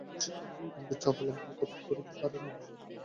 শাশুড়ির কাছেও সে কোনোদিন গাম্ভীর্য অবলম্বন করিতে পারে নাই।